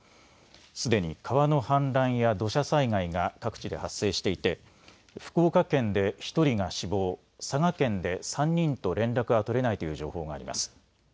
すでに川の氾濫や土砂災害が各地で発生していて福岡県で１人が死亡、佐賀県で３人と連絡が取れないという情報があります。